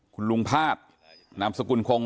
ซึ่งไม่ได้เจอกันบ่อย